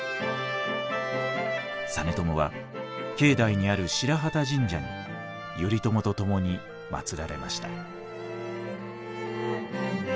実朝は境内にある白旗神社に頼朝と共に祀られました。